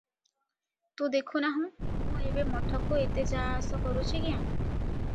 ତୁ ଦେଖୁ ନାହୁଁ, ମୁଁ ଏବେ ମଠକୁ ଏତେ ଯା-ଆସ କରୁଛି କ୍ୟାଁ?